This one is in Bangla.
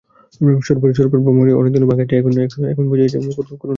স্বরূপের ভ্রম অনেক দিন হইল ভাঙিয়াছে, এখন বুঝিয়াছে করুণা তাহাকে ভালোবাসে না।